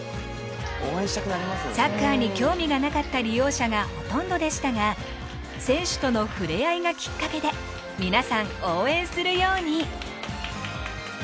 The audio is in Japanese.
サッカーに興味がなかった利用者がほとんどでしたが選手との触れ合いがきっかけで皆さん応援するように。